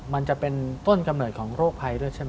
มันจะเป็นต้นกำเนิดของโรคภัยด้วยใช่ไหม